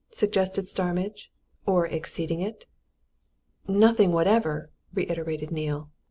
suggested Starmidge. "Or exceeding it?" "Nothing whatever!" reiterated Neale.